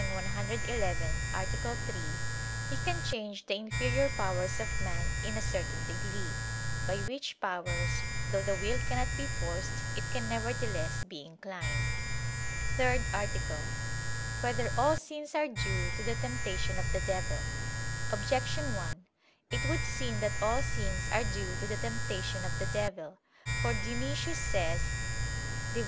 111, A. 3), he can change the inferior powers of man, in a certain degree: by which powers, though the will cannot be forced, it can nevertheless be inclined. _______________________ THIRD ARTICLE [I, Q. 114, Art. 3] Whether All Sins Are Due to the Temptation of the Devil? Objection 1: It would seem that all sins are due to the temptation of the devil. For Dionysius says (Div.